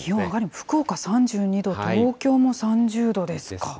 福岡３２度、東京も３０度ですか。